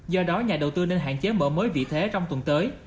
do đó nhà đầu tư nên hạn chế mở mới vị thế trong tuần tới